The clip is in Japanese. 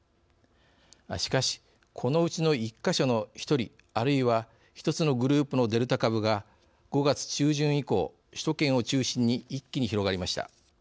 しかし、このうちの１か所の１人あるいは１つのグループのデルタ株が５月中旬以降、首都圏を中心に一気に広がりました。